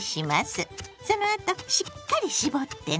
そのあとしっかり絞ってね！